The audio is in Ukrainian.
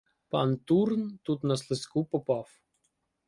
Пан Турн тут на слизьку попав!